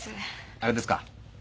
あれですか？